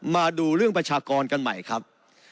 มาดูเรื่องประชากรกันใหม่ครับ